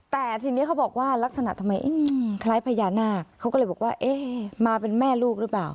แต่ทีนี้เขาบอกว่าลักษณะทำไมคล้ายพญานาคเขาก็เลยบอกว่าเอ๊ะมาเป็นแม่ลูกหรือเปล่า